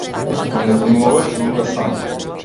Ако не внимава ќе умре сама.